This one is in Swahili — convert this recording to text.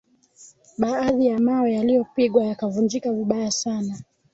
baadhi ya mawe yaliyopigwa yakavunjika vibaya sana